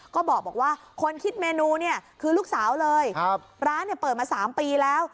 ก็บอกว่าคนคิดเมนูเนี่ยคือลูกสาวเลยร้านเนี่ยเปิดมา๓ปีแล้ว